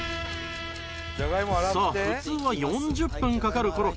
さあ普通は４０分かかるコロッケ